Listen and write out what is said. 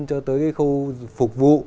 cho tới khâu phục vụ